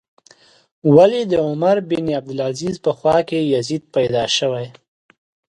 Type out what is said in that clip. ولې د عمر بن عبدالعزیز په خوا کې یزید پیدا شوی.